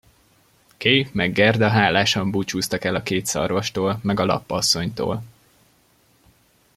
Kay meg Gerda hálásan búcsúztak el a két szarvastól meg a lapp asszonytól.